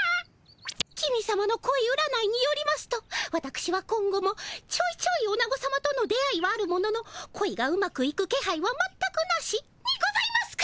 公さまの恋占いによりますとわたくしは「今後もちょいちょいオナゴさまとの出会いはあるものの恋がうまくいくけはいはまったくなし」にございますか？